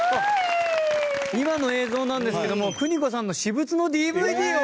今の映像なんですけども邦子さんの私物のＤＶＤを。